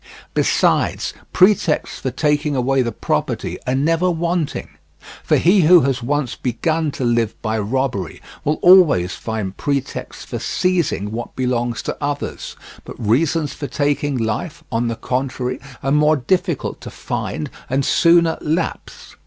Besides, pretexts for taking away the property are never wanting; for he who has once begun to live by robbery will always find pretexts for seizing what belongs to others; but reasons for taking life, on the contrary, are more difficult to find and sooner lapse.